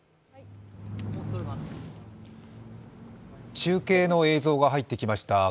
中継の映像が入ってきました。